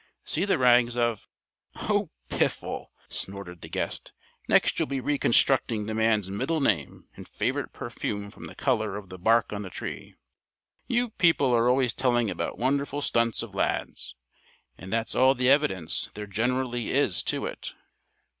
See the rags of " "Oh, piffle!" snorted the guest. "Next you'll be reconstructing the man's middle name and favorite perfume from the color of the bark on the tree. You people are always telling about wonderful stunts of Lad's. And that's all the evidence there generally is to it."